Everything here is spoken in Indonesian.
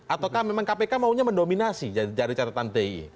ataukah memang kpk maunya mendominasi dari catatan ti